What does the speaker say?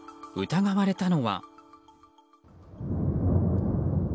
疑われたのは。